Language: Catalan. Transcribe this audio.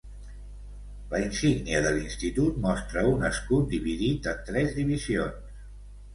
La insígnia de l'institut mostra un escut dividit en tres divisions.